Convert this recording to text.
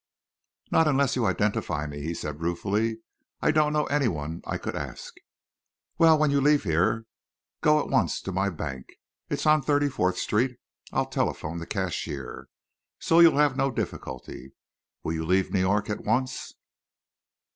"Not unless you identify me," he said, ruefully, "I don't know anyone I could ask." "Well, when you leave here go at once to my bank—it's on Thirty fourth Street—and I'll telephone the cashier. So you'll not have any difficulty. Will you leave New York at once?"